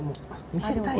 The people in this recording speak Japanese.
見せたい。